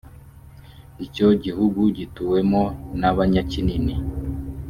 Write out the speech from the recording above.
icyo gihugu gituwemo n abanyakini i